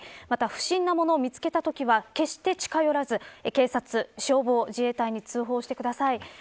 また、不審な物を見つけたときは決して近寄らず警察、消防、自衛隊に通報してください。